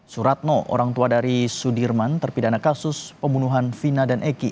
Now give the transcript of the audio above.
suratno orang tua dari sudirman terpidana kasus pembunuhan vina dan eki